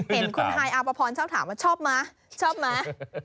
เห็นคุณไฮอัพพรชอบถามว่าชอบม้าชอบม้า